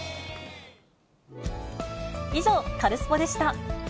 以上、カルスポっ！でした。